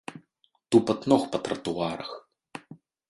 Тупат ног па тратуарах.